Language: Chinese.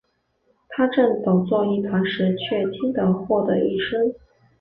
他正抖作一团时，却听得豁的一声